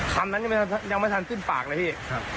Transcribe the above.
คำนั้นยังไม่ทันขึ้นปากเลยพี่